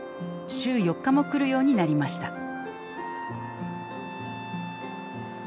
週４日も来るようになりました。